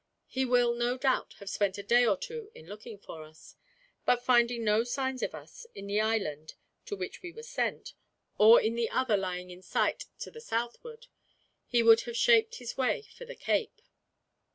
He will, no doubt, have spent a day or two in looking for us; but finding no signs of us, in the island to which we were sent, or in the other lying in sight to the southward, he will have shaped his way for the Cape.